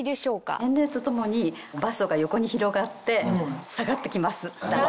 年齢とともにバストが横に広がって下がってきます。